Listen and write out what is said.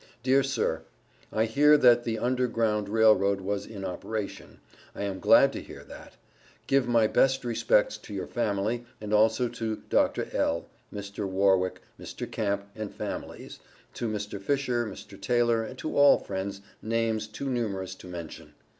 Dear Sir, I hear that the under ground railroad was in operation. I am glad to hear that. Give my best respects to your family and also to Dr. L., Mr. Warrick, Mr. Camp and familys, to Mr. Fisher, Mr. Taylor to all Friends names too numerous to mention.